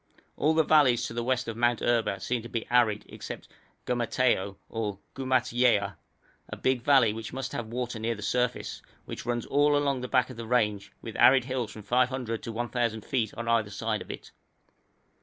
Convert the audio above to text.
All the valleys to the west of Mount Erba seem to be arid except Gumateo or Gumatyewa, a big valley which must have water near the surface, which runs all along at the back of the range, with arid hills from 500 to 1,000 feet on either side of it.